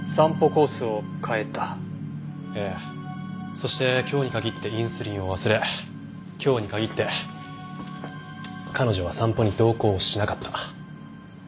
そして今日に限ってインスリンを忘れ今日に限って彼女は散歩に同行しなかった。